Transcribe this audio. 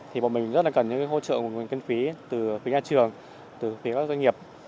thì bọn mình rất là cần những hỗ trợ nguồn kinh phí từ phía nhà trường từ phía các doanh nghiệp